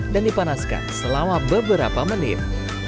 dipanaskan selama beberapa menit